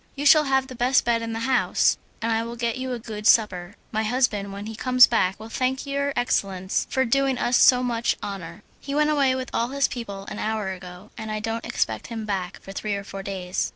"You shall have the best bed in the house, and I will get you a good supper. My husband when he comes back will thank your excellence for doing us so much honour. He went away with all his people an hour ago, and I don't expect him back for three or four days."